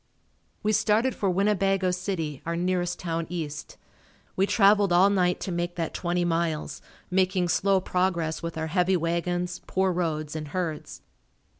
We started for Winnebago City, our nearest town east. We traveled all night to make that twenty miles, making slow progress with our heavy wagons, poor roads and herds.